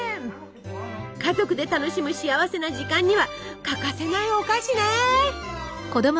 家族で楽しむ幸せな時間には欠かせないお菓子ね。